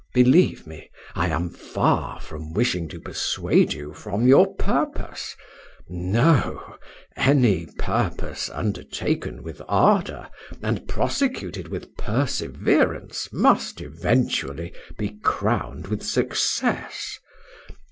Believe me, I am far from wishing to persuade you from your purpose No any purpose undertaken with ardour, and prosecuted with perseverance, must eventually be crowned with success.